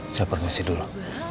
saya permisi dulu